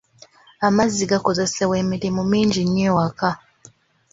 Amazzi gakozesebwa emirimu mingi nnyo ewaka.